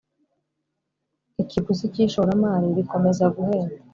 ikiguzi cy ishoramari rikomeza guhenda